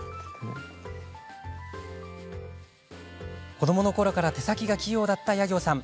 子どものころから手先が器用だった夜行さん。